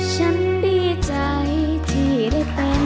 ฉันดีใจที่ได้เป็น